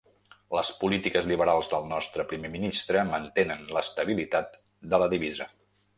Les polítiques liberals del nostre primer ministre mantenen l'estabilitat de la divisa.